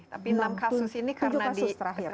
tapi enam kasus ini karena di tujuh kasus terakhir